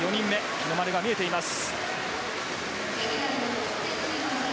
日の丸が見えています。